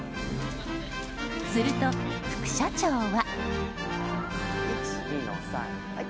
すると、副社長は。